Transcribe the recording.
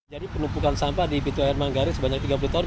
jadi penumpukan sampah di pitu air manggarai sebanyak tiga puluh tahun